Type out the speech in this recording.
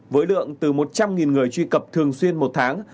với lượng từ một trăm linh người truy cập thường xuyên một tháng